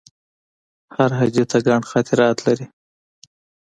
هر حاجي ته ګڼ خاطرات لري.